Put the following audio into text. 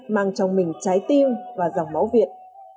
mang trong mình trái tim và dòng máu việt